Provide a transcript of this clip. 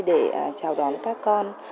để chào đón các con